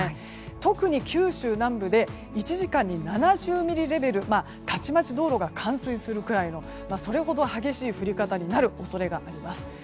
特に九州南部で１時間に７０ミリレベルたちまち道路が冠水するぐらいのそれほど激しい降り方になる恐れがあります。